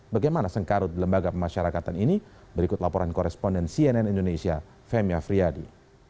bagaimana sengkarut lembaga pemasyarakatan ini berikut laporan koresponden cnn indonesia femi afriyadi